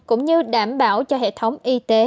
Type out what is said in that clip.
cũng như đảm bảo cho hệ thống y tế